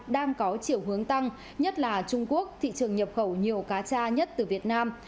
đang có chiều hướng tăng nhất là trung quốc thị trường nhập khẩu nhiều cá cha nhất từ việt nam